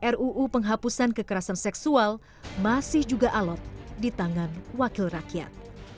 ruu penghapusan kekerasan seksual masih juga alot di tangan wakil rakyat